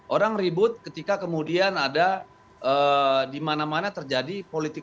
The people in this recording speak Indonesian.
orang ribut ketika kemudian ada di mana mana terjadi politik